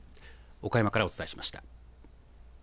岡山からお伝えしました。